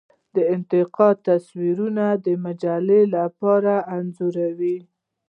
انتقادي تصویرونه د مجلو لپاره انځوروي.